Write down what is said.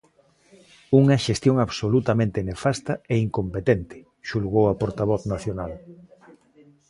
"Unha xestión absolutamente nefasta e incompetente", xulgou a portavoz nacional.